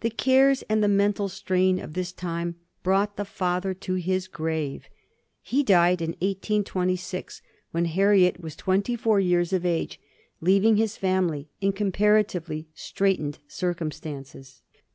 The cares and the mental strain of this time brought the father to his grave; he died in 1826, when Harriet was twenty four years of age, leaving his family in comparatively straitened circumstances.